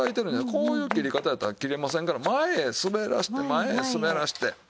こういう切り方やったら切れませんから前へ滑らせて前へ滑らせて。